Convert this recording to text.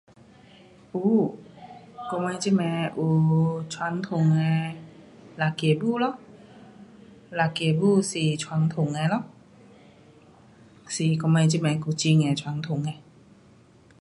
有，我们这边有传统的辣子舞咯，辣子舞是传统的咯，是我们这边古晋的传统的。